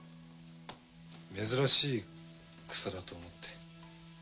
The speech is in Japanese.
珍しい草だと思って。